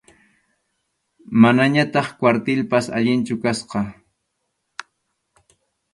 Manañataq kwartilpas alinchu kasqa.